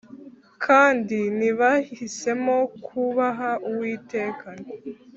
Kandi ntibahisemo kubaha Uwiteka